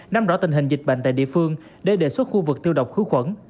nắm rõ tình hình dịch bệnh tại địa phương để đề xuất khu vực tiêu độc khử khuẩn